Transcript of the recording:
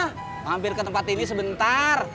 hampir ke tempat ini sebentar